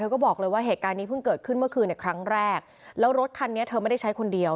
ก็บอกเลยว่าเหตุการณ์นี้เพิ่งเกิดขึ้นเมื่อคืนเนี่ยครั้งแรกแล้วรถคันนี้เธอไม่ได้ใช้คนเดียว